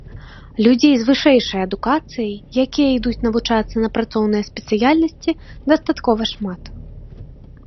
Людзей з вышэйшай адукацыяй, якія ідуць навучацца на працоўныя спецыяльнасці дастаткова шмат.